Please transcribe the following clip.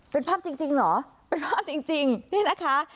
เป็นภาพจริงเหรอเป็นภาพจริงนี่นะคะ